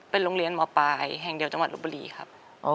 เป็นโรงเรียนหมอปลายแห่งเดียวจังหวัดลบบุรีครับ